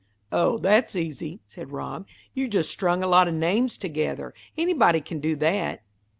"Oh, that's easy," said Rob. "You just strung a lot of names together. Anybody can do that."